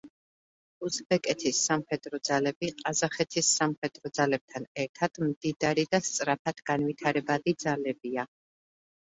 უზბეკეთის სამხედრო ძალები, ყაზახეთის სამხედრო ძალებთან ერთად, მდიდარი და სწრაფად განვითარებადი ძალებია.